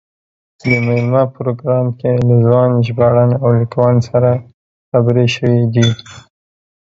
د مېلمه پروګرام کې له ځوان ژباړن او لیکوال سره خبرې شوې دي.